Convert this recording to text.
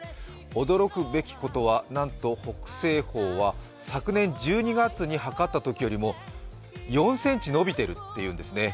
驚くべきことはなんと北青鵬は昨年１２月にはかったときよりも４ｃｍ伸びているというんですね。